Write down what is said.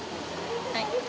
はい。